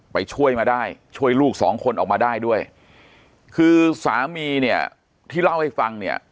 ไปช่วยมาได้ช่วยลูกสองคนออกมาได้ด้วยคือสามีเนี่ยที่เล่าให้ฟังเนี่ย